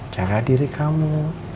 jaga diri kamu